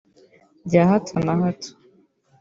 bya hato na hato